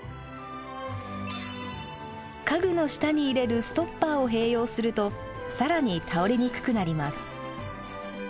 家具の下に入れるストッパーを併用すると更に倒れにくくなります。